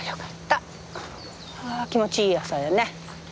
あ気持ちいい朝やね。